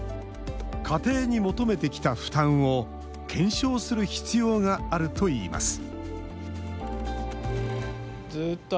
家庭に求めてきた負担を検証する必要があるといいます